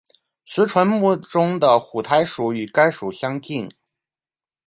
石莼目中的浒苔属与该属相近。